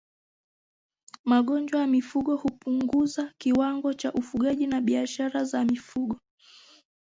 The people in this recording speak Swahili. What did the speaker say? Magonjwa ya mifugo hupunguza kiwango cha ufugaji na biashara za mifugo